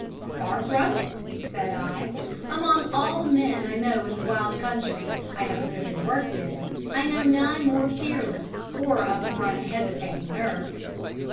"'Far from it,' said I, 'among all the men I know in the wild country I have lived and worked in, I know none more fearless or of more unhesitating nerve.'